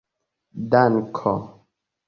danko